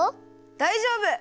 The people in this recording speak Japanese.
だいじょうぶ！